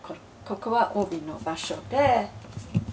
「ここは帯の場所で」